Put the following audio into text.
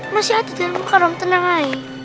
masih ada di al mukaharom tenang aja